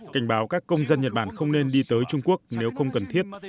cảnh báo các công dân nhật bản không nên đi tới trung quốc nếu không cần thiết